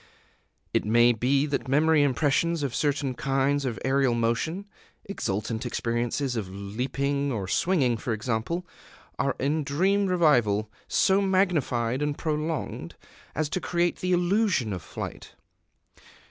It may be that memory impressions of certain kinds of aerial motion, exultant experiences of leaping or swinging, for example, are in dream revival so magnified and prolonged as to create the illusion of flight.